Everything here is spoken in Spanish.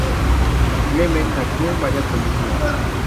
Clement actuó en varias películas.